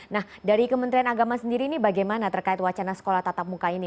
nah dari kementerian agama sendiri ini bagaimana terkait wacana sekolah tatap muka ini